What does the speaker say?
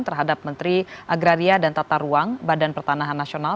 terhadap menteri agraria dan tata ruang badan pertanahan nasional